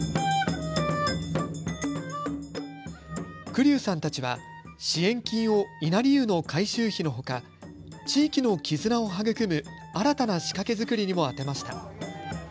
栗生さんたちは支援金を稲荷湯の改修費のほか、地域の絆を育む新たな仕掛け作りにも充てました。